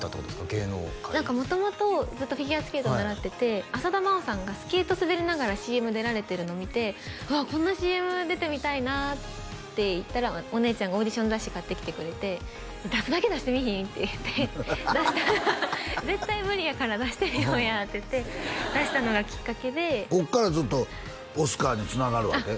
芸能界何か元々ずっとフィギュアスケートを習ってて浅田真央さんがスケート滑りながらＣＭ出られてるの見て「わあこんなＣＭ出てみたいな」って言ったらお姉ちゃんがオーディション雑誌買ってきてくれて「出すだけ出してみいひん？」って言って出したら「絶対無理やから出してみようや」って言って出したのがきっかけでこっからずっとオスカーにつながるわけ？